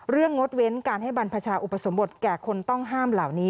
งดเว้นการให้บรรพชาอุปสมบทแก่คนต้องห้ามเหล่านี้